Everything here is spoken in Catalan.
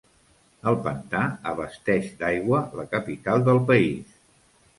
El Pantà abasteix d'aigua la capital del país.